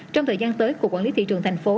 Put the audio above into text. trong thời gian tới cục quản lý thị trường thành phố